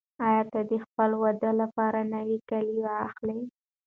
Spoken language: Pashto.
آیا ته د خپل واده لپاره نوي کالي اخلې؟